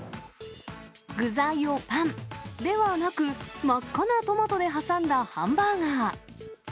具材をパンではなく、真っ赤なトマトで挟んだハンバーガー。